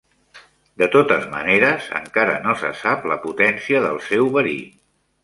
De totes maneres, encara no se sap la potència del seu verí.